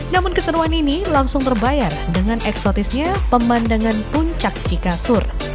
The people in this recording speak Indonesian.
namun keseruan ini langsung terbayar dengan eksotisnya pemandangan puncak cikasur